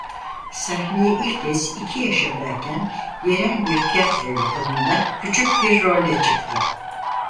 Sahneye ilk kez iki yaşındayken yerel bir tiyatro yapımında küçük bir rolde çıktı.